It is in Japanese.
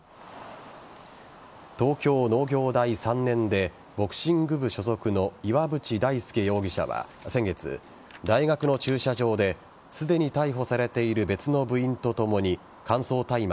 東京農業大３年でボクシング部所属の岩渕大輔容疑者は先月大学の駐車場ですでに逮捕されている別の部員とともに乾燥大麻